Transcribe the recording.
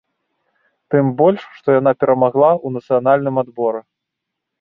Тым больш што яна перамагла ў нацыянальным адборы.